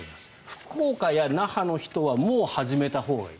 福岡や那覇の人はもう始めたほうがいい。